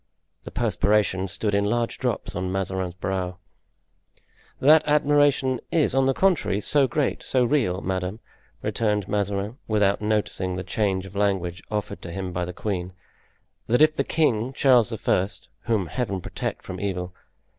The perspiration stood in large drops on Mazarin's brow. "That admiration is, on the contrary, so great, so real, madame," returned Mazarin, without noticing the change of language offered to him by the queen, "that if the king, Charles I.—whom Heaven protect from evil!